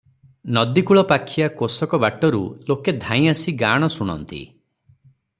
ନଦୀକୂଳପାଖିଆ କୋଶକ ବାଟରୁ ଲୋକେ ଧାଇଁଆସି ଗାଆଣ ଶୁଣନ୍ତି ।